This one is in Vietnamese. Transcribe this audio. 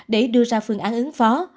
để đưa ra phương án ứng phó